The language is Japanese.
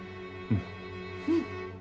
うん。